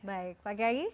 baik pak kiai